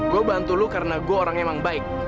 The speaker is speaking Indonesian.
gue bantu lu karena gue orang yang baik